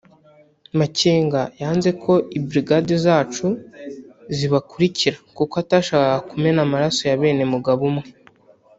Makenga yanze ko I brigade zacu zibakurikira kuko atabashaka ku mena amaraso ya bene mugabo umwe